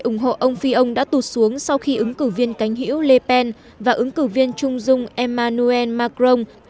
tỷ lệ ủng hộ ông fillon đã tụt xuống sau khi ứng cử viên cánh hữu le pen và ứng cử viên trung dung emmanuel macron